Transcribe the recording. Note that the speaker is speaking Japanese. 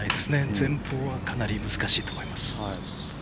前方は難しいと思います。